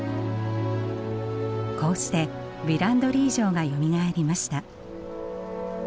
こうしてヴィランドリー城がよみがえりました。